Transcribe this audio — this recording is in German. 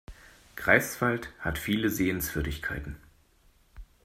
Greifswald hat viele Sehenswürdigkeiten